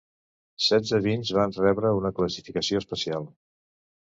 Setze vins van rebre una classificació especial.